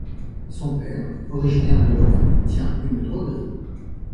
Son père, originaire de Lorraine, tient une droguerie.